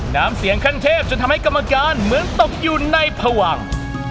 น้ำเสียงขั้นเทพจนทำให้กรรมการเหมือนตกอยู่ในพวัง